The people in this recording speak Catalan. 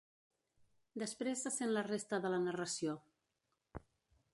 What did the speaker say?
Després se sent la resta de la narració.